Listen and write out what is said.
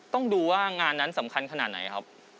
ต้องดูว่างานนั้นสำคัญขนาดไหนครับ